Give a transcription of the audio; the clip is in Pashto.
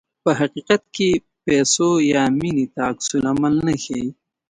په حقیقت کې پیسو یا مینې ته عکس العمل نه ښيي.